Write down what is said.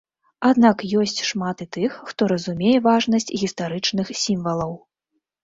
Аднак ёсць шмат і тых, хто разумее важнасць гістарычных сімвалаў.